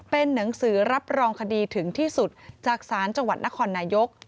เป็นหนังสือรับรองคดีถึงที่สุดจากศาลจังหวัดนครนายก